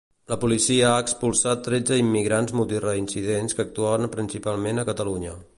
La policia ha expulsat tretze immigrants multireincidents que actuaven principalment a Catalunya.